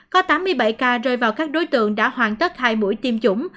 có tám mươi bảy ca rơi vào các đối tượng đã hoàn tất hai buổi tiêm chủng